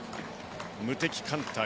無敵艦隊